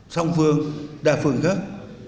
song phương đa phương khác